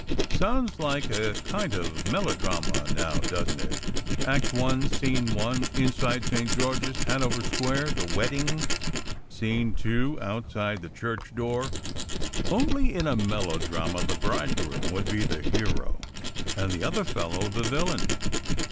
Sounds like a kind of melodrama now, doesn t it? Act one, scene one, in side St. George s, Hanover Square; the wedding. Scene two, outside the church door. Only, in a melodrama, the bridegroom would be the hero, and the other fellow the villain.